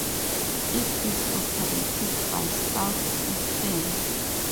It is operated by Southeastern.